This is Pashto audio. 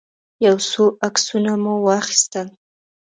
يو څو عکسونه مو واخيستل.